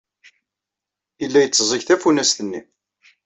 Yella yetteẓẓeg tafunast-nni.